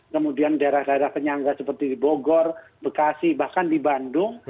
kemudian daerah daerah penyangga seperti di bogor bekasi bahkan di bandung